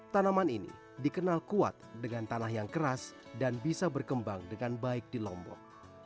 tanaman ini dikenal kuat dengan tanah yang keras dan bisa berkembang dengan baik di lombok